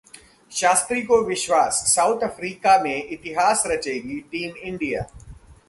शास्त्री को विश्वास, South Africa में इतिहास रचेगी टीम इंडिया